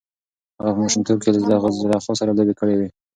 هغه په ماشومتوب کې له زلیخا سره لوبې کړې وې.